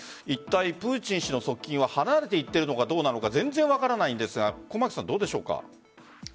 いったい、プーチン氏の側近は離れていっているのかどうなのか全然分からないですがどうでしょうか？